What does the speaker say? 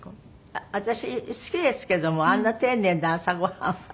私好きですけどもあんな丁寧な朝ごはんは。